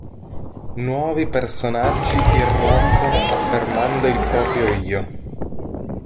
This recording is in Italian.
Nuovi personaggi irrompono affermando il proprio io.